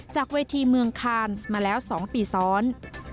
จากเวทีเมืองคานส์มาแล้ว๒ปีซ้อน